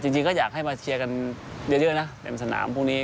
จริงก็อยากให้มาเชียร์กันเยอะนะเต็มสนามพวกนี้